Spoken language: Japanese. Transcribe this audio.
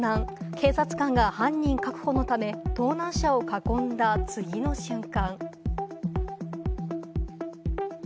警察官が犯人確保のため、盗難車を囲んだ次の瞬間。